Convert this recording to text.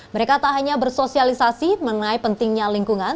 mereka tak hanya bersosialisasi menai pentingnya lingkungan